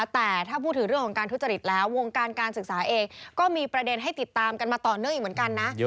แต่ถ้าพูดถึงเรื่องของการทุจริตแล้ววงการการศึกษาเองก็มีประเด็นให้ติดตามกันมาต่อเนื่องอีกเหมือนกันนะ